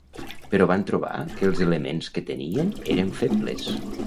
Però van trobar que ‘els elements’ que tenien eren febles.